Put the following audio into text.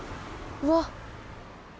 うわっ。